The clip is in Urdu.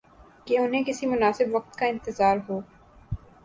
کہ انہیں کسی مناسب وقت کا انتظار ہو۔